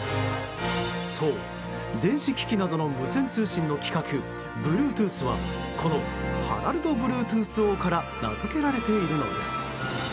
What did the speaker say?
そう、電子機器などの無線通信の規格Ｂｌｕｅｔｏｏｔｈはこのハラルド・ブルートゥース王から名づけられているのです。